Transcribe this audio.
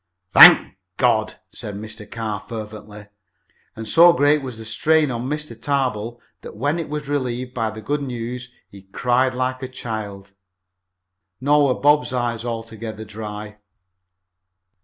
"Thank God!" said Mr. Carr fervently, and so great was the strain on Mr. Tarbill that when it was relieved by the good news he cried like a child. Nor were Bob's eyes altogether dry.